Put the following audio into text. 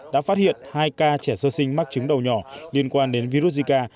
đã phát hiện hai ca trẻ sơ sinh mắc chứng đầu nhỏ liên quan đến virus zika